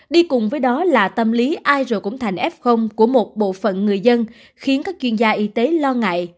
đi cùng với đó là tâm lý ai rồi cũng thành f của một bộ phận người dân khiến các chuyên gia y tế lo ngại